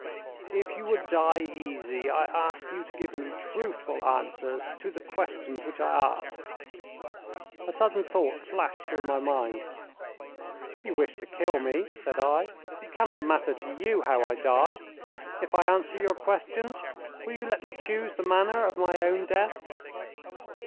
"If you would die easy I ask you to give me truthful answers to the questions which I ask." A sudden thought flashed through my mind. "You wish to kill me," said I; "it cannot matter to you how I die. If I answer your questions, will you let me choose the manner of my own death?"